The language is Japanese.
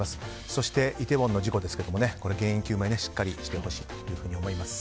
そして、イテウォンの事故原因究明しっかりしてほしいと思います。